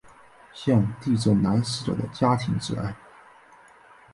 向地震男死者的家庭致哀。